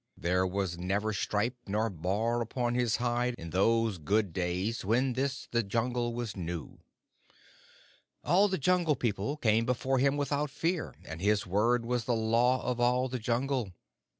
There was never stripe nor bar upon his hide in those good days when this the Jungle was new. All the Jungle People came before him without fear, and his word was the Law of all the Jungle.